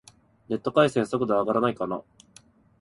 ネット回線、速度上がらないかな